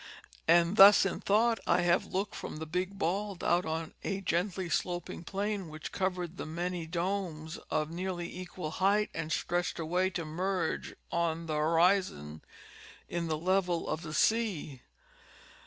And thus in thought I have looked from the Big Bald out on a gently sloping plain which covered the many domes of nearly equal height and stretched away to merge on the horizon in the level of the sea.